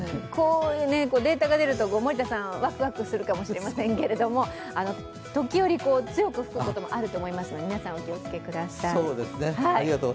データが出ると森田さん、ワクワクするかもしれませんけど、時折、強く吹くこともあると思いますので皆さん、お気を付けください。